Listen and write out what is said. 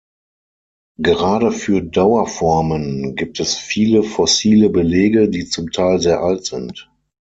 Gerade für Dauerformen gibt es viele fossile Belege, die zum Teil sehr alt sind.